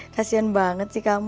kasian banget sih kamu